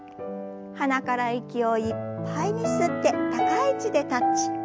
鼻から息をいっぱいに吸って高い位置でタッチ。